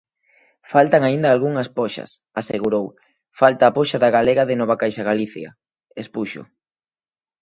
"Faltan aínda algunha poxas", asegurou "falta a poxa da galega, de Novacaixagalicia", expuxo.